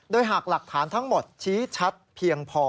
โดยหากหลักฐานทั้งหมดชี้ชัดเพียงพอ